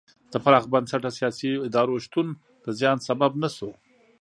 د پراخ بنسټه سیاسي ادارو شتون د زیان سبب نه شو.